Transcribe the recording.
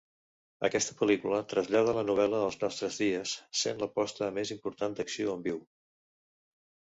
Aquesta pel·lícula trasllada la novel·la als nostres dies, sent l'aposta més important d'acció en viu.